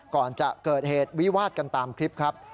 ก่อนจะเกิดเหตุวิวาดกันตามคลิปครับ